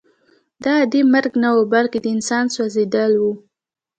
دا عادي مرګ نه و بلکې د انسان سوځېدل وو